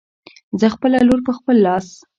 زه خپله لور په خپل لاس